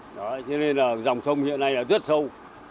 đấy nên là dòng sông hiện nay là rất sâu